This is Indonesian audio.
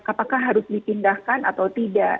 apakah harus dipindahkan atau tidak